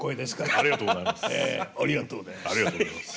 ありがとうございます。